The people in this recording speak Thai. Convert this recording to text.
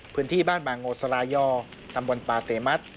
พื้นที่บ้านบางโงสลายอตำบลปาเสมัติ